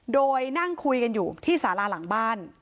โดยนั่งคุยกันอยู่ที่สาราหลังบ้าน